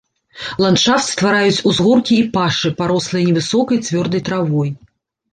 Ландшафт ствараюць узгоркі і пашы, парослыя невысокай цвёрдай травой.